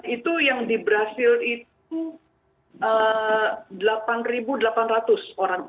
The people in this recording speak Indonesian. itu yang di brazil itu delapan delapan ratus orang